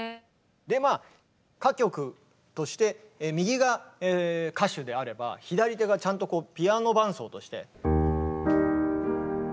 歌曲として右が歌手であれば左手がちゃんとこうピアノ伴奏として。